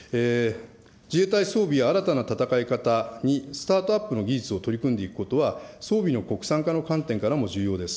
自衛隊装備や新たな戦い方にスタートアップの技術を取り込んでいくことは、装備の国産化の観点からも重要です。